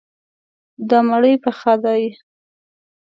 دا مړی پخه دی.